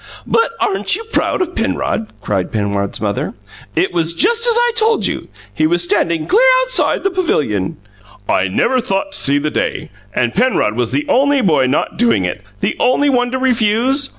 "But aren't you proud of Penrod?" cried Penrod's mother. "It was just as I told you: he was standing clear outside the pavilion " "I never thought to see the day! And Penrod was the only boy not doing it, the only one to refuse?